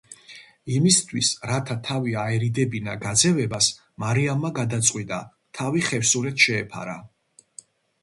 იმისთვის, რათა თავი აერიდებინა გაძევებას, მარიამმა გადაწყვიტა თავი ხევსურეთს შეეფარა.